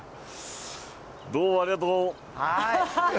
どうもありがとう。